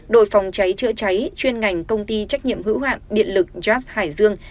đội phòng cháy chưa cháy chuyên ngành công ty trách nhiệm hữu hạn điện lực jazz hải dương